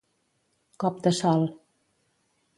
Cop de sol.